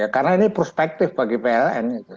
karena ini perspektif bagi pln